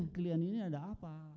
kalian ini ada apa